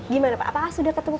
gimana pak apakah sudah ketemu